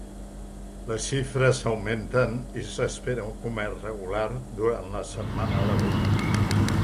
Les xifres augmenten i s"espera un comerç regular durant la setmana laboral.